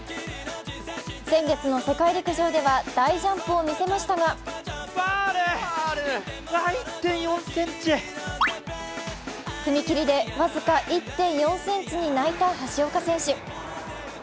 先月の世界陸上では大ジャンプを見せましたが踏み切りで僅か１．４ｃｍに泣いた橋岡選手。